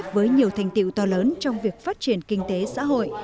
với nhiều thành tiệu to lớn trong việc phát triển kinh tế xã hội